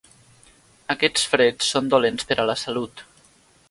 Aquests freds són dolents per a la salut.